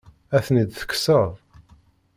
Ad ten-id-tekkseḍ?